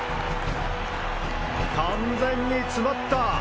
完全に詰まった！